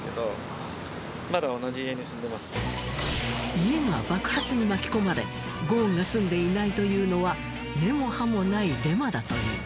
家が爆発に巻き込まれゴーンが住んでいないというのは根も葉もないデマだという。